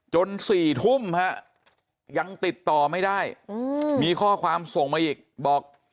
๔ทุ่มฮะยังติดต่อไม่ได้มีข้อความส่งมาอีกบอก